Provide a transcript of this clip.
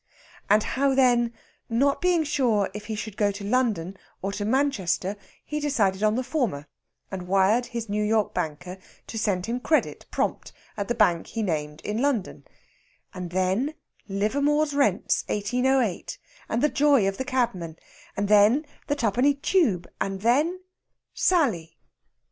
And how then, not being sure if he should go to London or to Manchester, he decided on the former, and wired his New York banker to send him credit, prompt, at the bank he named in London; and then Livermore's Rents, 1808, and the joy of the cabman; and then the Twopenny Tube; and then Sally.